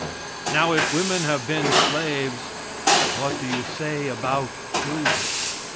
Now, if women have been slaves, what do you say about children?